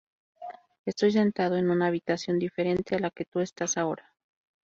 Estoy sentado en una habitación diferente a la que tú estás ahora.